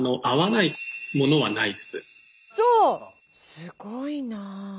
すごいな。